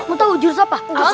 mau tahu jurus apa